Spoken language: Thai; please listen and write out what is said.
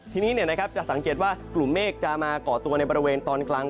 ทีนี้จะสังเกตว่ากลุ่มเมฆจะมาก่อตัวในบริเวณตอนกลาง